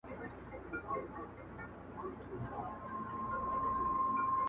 مار لا څه چي د پېړیو اژدهار وو.